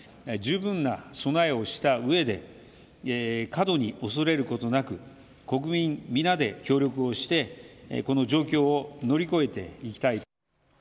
十分な備えをしたうえで、過度に恐れることなく、国民皆で協力をして、この状況を乗り越えていきたい。